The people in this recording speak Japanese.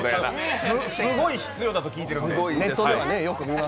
すごい必要だと聞いてるんで、ネットで。